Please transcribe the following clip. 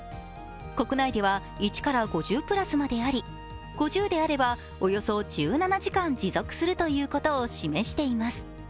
国内では１から５０プラスまであり、５０であればおよそ１７時間持続するということを示しています。